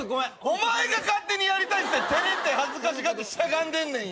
お前が勝手にやりたいっつって照れて恥ずかしがってしゃがんでんねん